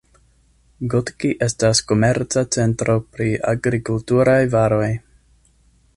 Gotki estas komerca centro pri agrikulturaj varoj.